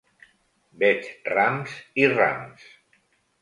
Veig rams i rams.